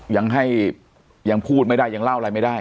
ยังให้ยังพูดไม่ได้ยังเล่าอะไรไม่ได้